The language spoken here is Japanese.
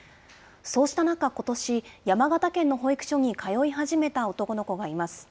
そうした中、ことし、山形県の保育所に通い始めた男の子がいます。